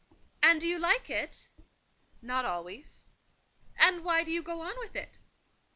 "And do you like it?" "Not always." "And why do you go on with it?"